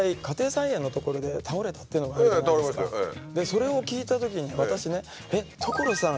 それを聞いたときに私ねえっ所さん